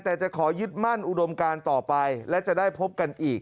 แต่จะขอยึดมั่นอุดมการต่อไปและจะได้พบกันอีก